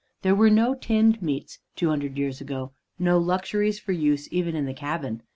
There were no tinned meats two hundred years ago, no luxuries for use even in the cabin.